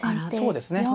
そうですね。